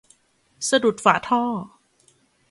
สะดุดฝาท่อ